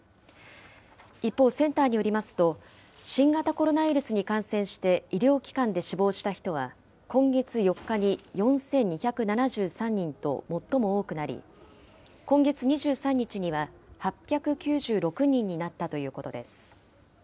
一方、センターによりますと、新型コロナウイルスに感染して医療機関で死亡した人は、今月４日に４２７３人と最も多くなり、今月２３日には８９６人になったということです。